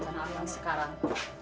jadi apa rencanamu sekarang